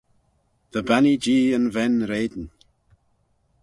Dy bannee Jee yn ven-rein.